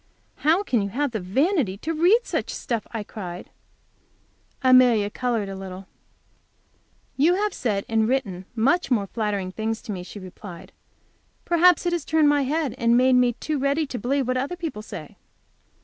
"How can you have the vanity to read such stuff?" I cried. Amelia colored a little. "You have said and written much more flattering things to me," she replied. "Perhaps it has turned my head, and made me too ready to believe what other people say."